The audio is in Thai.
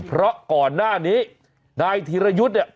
เพราะก่อนหน้านี้นายธีรยุทธ์เนี่ย